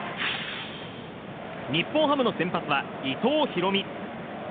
日本ハムの先発は伊藤大海。